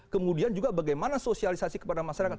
kemudian juga bagaimana sosialisasi kepada masyarakat